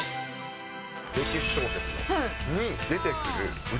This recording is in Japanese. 歴史小説に出てくるう